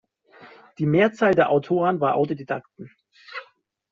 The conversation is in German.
Die Mehrzahl der Autoren waren Autodidakten.